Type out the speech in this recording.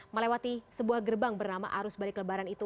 melewati sebuah gerbang bernama arus balik lebaran itu